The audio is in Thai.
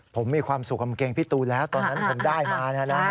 ผมมีความสุขกับกางเกงพี่ตูนแล้วตอนนั้นผมได้มานะ